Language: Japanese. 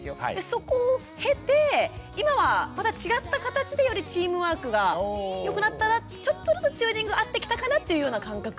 そこを経て今はまた違った形でよりチームワークが良くなったなちょっとずつチューニング合ってきたかなっていうような感覚ではいます。